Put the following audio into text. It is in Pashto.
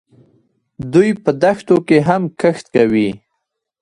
دوی په دښتو کې هم کښت کوي.